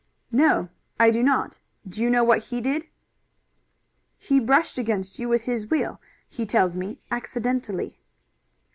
"No, I do not. Do you know what he did?" "He brushed against you with his wheel, he tells me, accidentally."